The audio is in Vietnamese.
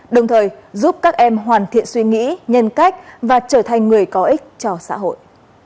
đồng thời giúp các em hoàn thiện suy nghĩ nhân cách và trở thành người có ích cho xã hội